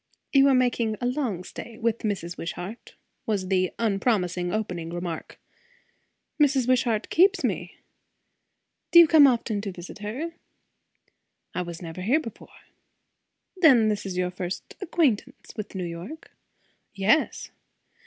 "You are making a long stay with Mrs. Wishart," was the unpromising opening remark. "Mrs. Wishart keeps me." "Do you often come to visit her?" "I was never here before." "Then this is your first acquain'tance with New York?" "Yes."